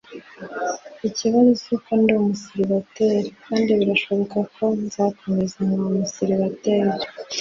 ikibazo si uko ndi umuseribateri kandi birashoboka ko nzakomeza kuba umuseribateri